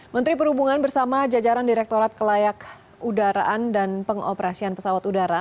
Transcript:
menteri perhubungan bersama jajaran direktorat kelayak udaraan dan pengoperasian pesawat udara